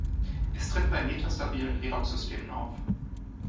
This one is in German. Es tritt bei metastabilen Redox-Systemen auf.